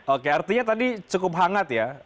oke artinya tadi cukup hangat ya